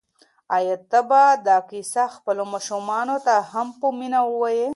آیا ته به دا کیسه خپلو ماشومانو ته هم په مینه ووایې؟